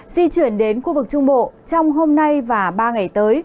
di chuyển đến khu vực trung bộ trong hôm nay và ba ngày tới